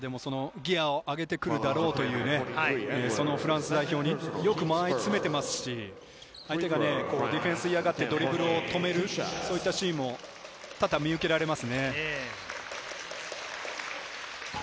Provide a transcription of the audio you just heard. ギアは出てくるだろうという、そのフランス代表に間合いをよく詰めてますし、ディフェンス嫌がって、ドリブルを止める、そういったシーンも多々見受けられます。